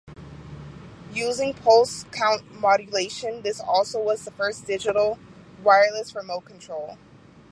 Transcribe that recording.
Using pulse-count modulation, this also was the first digital wireless remote control.